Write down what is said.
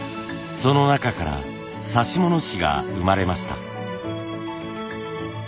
その中から指物師が生まれました。